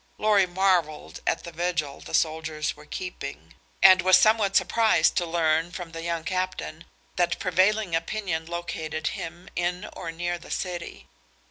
Lorry marveled at the vigil the soldiers were keeping, and was somewhat surprised to learn from the young captain that prevailing opinion located him in or near the city.